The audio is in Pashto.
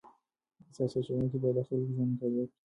سیاست جوړونکي باید د خلکو ژوند مطالعه کړي.